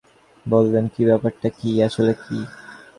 সন্দীপ তার ঘর থেকে বেরিয়ে এসে বললে, কী, ব্যাপারটা কী?